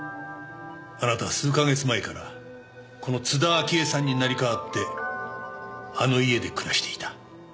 あなたは数か月前からこの津田明江さんに成り代わってあの家で暮らしていた。